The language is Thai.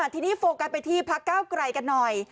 ทีนี้โฟกัสไปที่พักเก้าไกลกันหน่อย